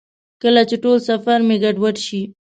لکه چې ټول سفر مې ګډوډ شي.